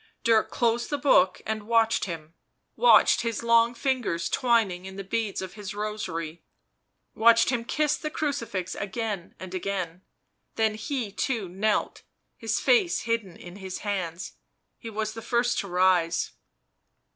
Dirk closed the book and watched him ; watched his long fingers twining in the beads of his rosary, watched him kiss the crucifix again and again; then he, too, knelt, his face hidden in his hands. He was the first to rise.